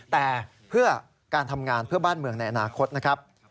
แต่เพื่อการทำงานเพื่อบ้านเมืองในอนาคตนะครับ